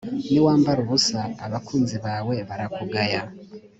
niwambara ubusa abakunzi bawe barakugaya.